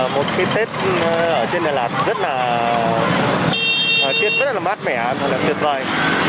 một cái tết ở trên đà lạt rất là mát mẻ và tuyệt vời